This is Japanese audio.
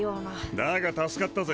だが助かったぜ。